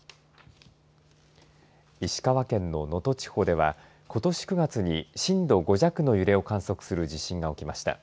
石川県の能登地方ではことし９月に震度５弱の揺れを観測する地震が起きました。